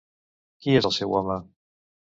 Qui és el seu home?